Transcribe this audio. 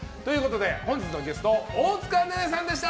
本日のゲスト大塚寧々さんでした。